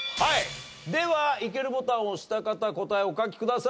ではイケるボタンを押した方答えをお書きください。